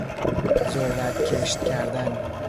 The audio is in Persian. ذرت کشت کردن